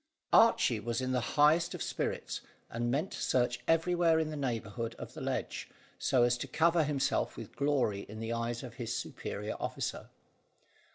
Archy was in the highest of spirits, and meant to search everywhere in the neighbourhood of the ledge, so as to cover himself with glory in the eyes of his superior officer.